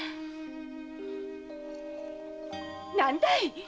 〔何だい。